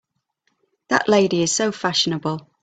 That lady is so fashionable!